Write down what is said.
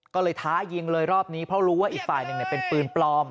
ก็เลยท้ายิงเลยรอบนี้เพราะรู้ว่าอีกฝ่ายหนึ่งเป็นปืนปลอม